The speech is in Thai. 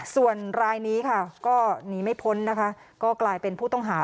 ส่วนรายนี้ค่ะก็หนีไม่พ้นนะคะก็กลายเป็นผู้ต้องหา